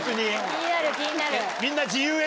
気になる気になる。